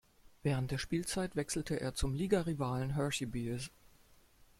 Während der Spielzeit wechselte er zum Ligarivalen Hershey Bears.